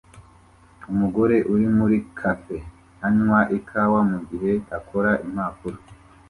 Umugore uri muri cafe anywa ikawa mugihe akora impapuro